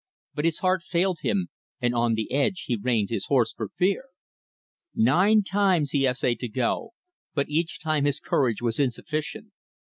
But his heart failed him, and on the edge he reined his horse for fear. "Nine times he essayed to go, but each time his courage was insufficient.